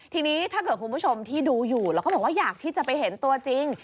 ทีนี้ถ้าเกิดคุณผู้ชมที่ดูอยู่แล้วก็บอกว่าอยากที่จะไปเห็นตัวจริง